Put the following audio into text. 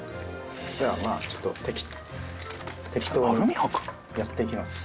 じゃあまあちょっと適当にやっていきます。